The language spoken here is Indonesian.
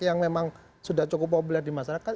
yang memang sudah cukup populer di masyarakat